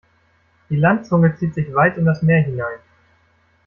Die Landzunge zieht sich weit in das Meer hinein.